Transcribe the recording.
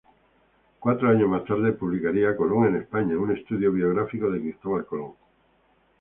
Cuatro años más tarde publicaría "Colón en España", un estudio biográfico de Cristóbal Colón.